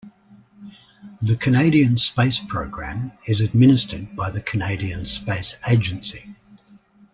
The Canadian Space Program is administered by the Canadian Space Agency.